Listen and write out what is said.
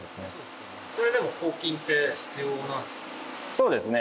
そうですね。